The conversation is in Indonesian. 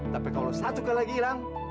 tapi kalau satu kali hilang